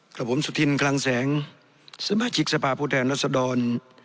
ครับผมสุธินคลังแสงสมาชิกสภาพูดแทนรัฐสะดอน